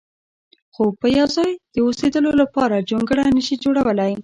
خو په یو ځای د اوسېدلو لپاره جونګړه نه شي جوړولی.